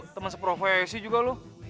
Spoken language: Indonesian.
teman seprofesi juga loh